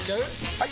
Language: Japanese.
・はい！